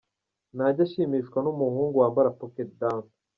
Ntajya ashimishwa n’umuhungu wambara pocket down.